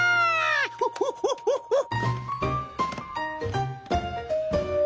ホッホッホッホッホッ。